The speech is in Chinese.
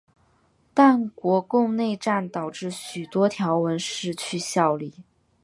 但国共内战导致许多条文失去效力。